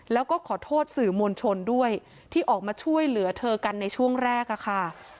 แล้วก็ขอโทษสื่อมวลชนด้วยที่ออกมาช่วยเหลือเธอกันในช่วงแรกค่ะ